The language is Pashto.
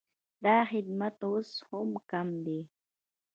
دا خدمت اوس هم کم دی